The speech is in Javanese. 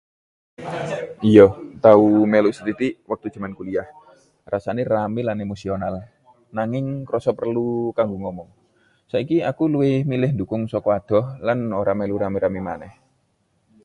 Iyo, tau melu sethitik wektu jaman kuliah. Rasané rame lan emosional, nanging krasa perlu kanggo ngomong. Saiki aku luwih milih ndhukung saka adoh lan ora melu rame-rame maneh.